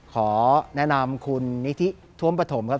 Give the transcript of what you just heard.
ขอแนะนำคุณนิธิท้วมปฐมครับ